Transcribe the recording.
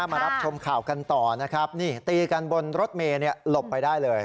มารับชมข่าวกันต่อนะครับนี่ตีกันบนรถเมย์หลบไปได้เลย